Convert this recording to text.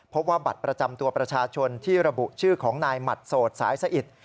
พบว่าบัตรประจำตัวประชาชนที่ระบุชื่อของนายหมัดโสดสายสะอิด